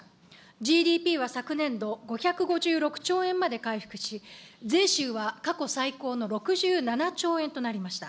ＧＤＰは昨年度、５５６兆円まで回復し、税収は過去最高の６７兆円となりました。